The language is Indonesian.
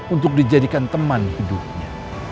untuk dijadikan teman hidupnya